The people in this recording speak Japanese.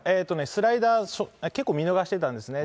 スライダー、結構見逃してたんですね。